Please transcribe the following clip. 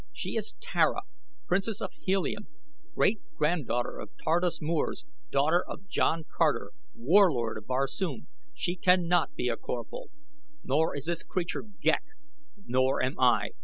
She is Tara, Princess of Helium, great granddaughter of Tardos Mors, daughter of John Carter, Warlord of Barsoom. She cannot be a Corphal. Nor is this creature Ghek, nor am I.